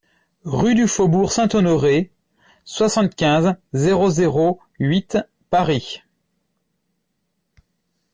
Rue du Faubourg Saint-Honoré, soixante-quinze, zéro zéro huit Paris